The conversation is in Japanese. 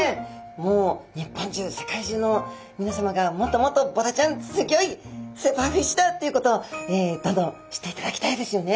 もう日本中世界中のみなさまがもっともっとボラちゃんすギョいスーパーフィッシュだっていうことをどんどん知っていただきたいですよね。